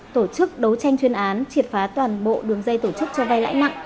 tổ chức đấu tranh chuyên án triệt phá toàn bộ đường dây tổ chức cho vay lãi nặng